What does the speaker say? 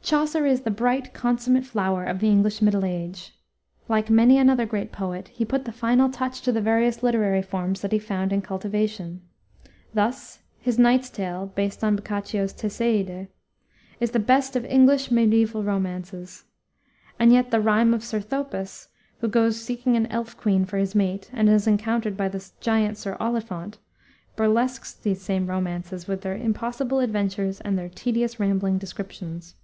Chaucer is the bright consummate flower of the English Middle Age. Like many another great poet, he put the final touch to the various literary forms that he found in cultivation. Thus his Knight's Tale, based upon Boccaccio's Teseide, is the best of English mediaeval romances. And yet the Rime of Sir Thopas, who goes seeking an elf queen for his mate, and is encountered by the giant Sir Olifaunt, burlesques these same romances with their impossible adventures and their tedious rambling descriptions.